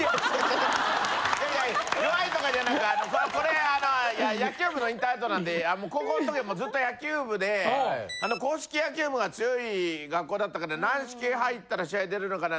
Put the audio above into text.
いやいや弱いとかじゃなくこれ野球部の引退後なんで高校の時はずっと野球部で硬式野球部が強い学校だったから軟式入ったら試合出れるのかな。